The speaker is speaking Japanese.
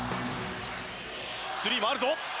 スリーもあるぞ。